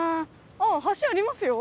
ああ橋ありますよ。